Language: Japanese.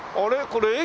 これ駅？